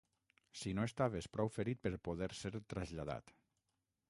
Si no estaves prou ferit per poder ser traslladat